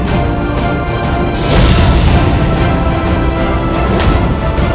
para sesembahan siri wangi